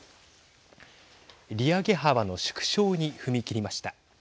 利上げ幅の縮小に踏み切りました。